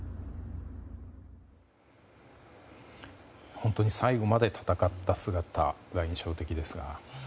本当に最後まで闘った姿が印象的ですが。